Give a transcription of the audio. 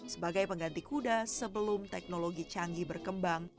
sebagai pengganti kuda sebelum teknologi canggih berkembang